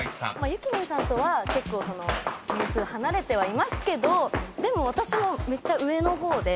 ゆきりんさんとは結構年数離れてはいますけどでも私もめっちゃ上の方で。